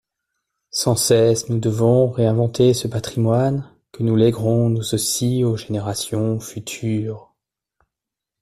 Sans cesse nous devons réinventer ce patrimoine que nous léguerons nous aussi aux générations futures.